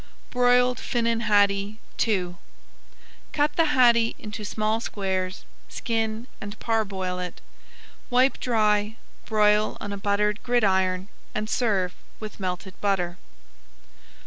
BROILED FINNAN HADDIE II Cut the haddie into small squares, skin and parboil it. Wipe dry, broil on a buttered gridiron and serve with melted butter.